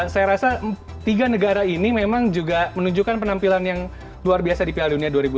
saya rasa tiga negara ini memang juga menunjukkan penampilan yang luar biasa di piala dunia dua ribu dua puluh